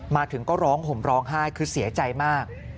มาถึงก็ร้องห่มร้องไห้คือเสียใจมาก